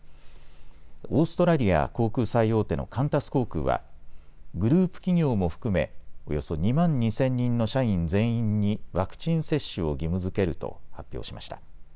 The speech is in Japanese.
オーストラリア航空最大手のカンタス航空はグループ企業も含めおよそ２万２０００人の社員全員にワクチン接種を義務づけると発表しました。